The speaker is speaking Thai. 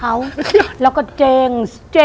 แล้วก็เจ๊ง